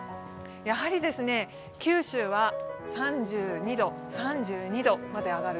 やはり九州は３２度まで上がる。